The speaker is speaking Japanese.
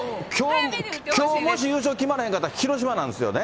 きょうもし優勝決まれへん勝ったら広島なんですよね。